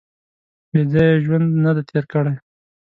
• بېځایه یې ژوند نهدی تېر کړی.